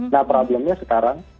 nah problemnya sekarang